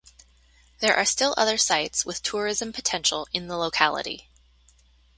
There are still other sites with tourism potential in the locality.